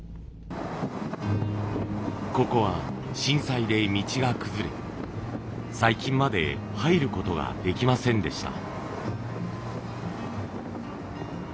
ここは震災で道が崩れ最近まで入ることができませんでした。